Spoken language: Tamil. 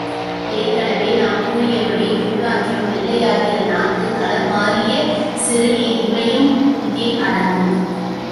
ஏற்கெனவே நாம் கூறிய படி, துர்நாற்றம், வெள்ளையாகிற நாக்கு, கலர் மாறிய சிறுநீர் இவையும் இதில் அடங்கும்.